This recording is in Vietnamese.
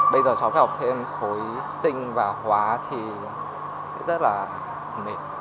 bây giờ cháu phải học thêm khối sinh và khóa thì rất là mệt